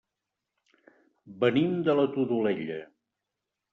Venim de la Todolella.